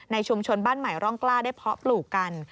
ชุมชนบ้านใหม่ร่องกล้าได้เพาะปลูกกัน